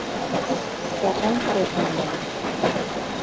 Тәғәм тоҙ менән